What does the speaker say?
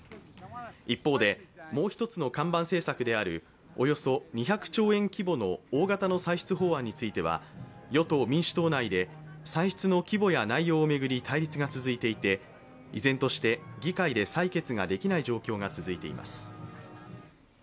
一方で、もう一つの看板政策であるおよそ２００兆円規模の大型の歳出法案については与党・民主党内で歳出の規模や内容を巡り対立が続いていて依然として議会で採決ができない状況が続いています。